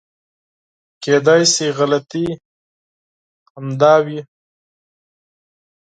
کېدای شي غلطي همدا وي .